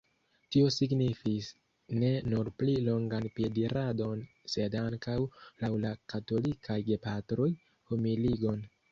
Tio signifis ne nur pli longan piediradon sed ankaŭ, laŭ la katolikaj gepatroj, humiligon.